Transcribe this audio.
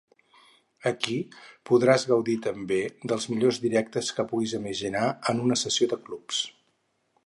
Aquí podràs gaudir també dels millors directes que puguis imaginar en una sessió de clubs.